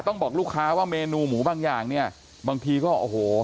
บอกลูกค้าว่าเมนูหมูบางอย่างเนี่ยบางทีก็โอ้โห